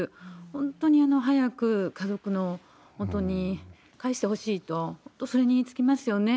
本当に早く家族のもとに返してほしいと、本当にそれに尽きますよね。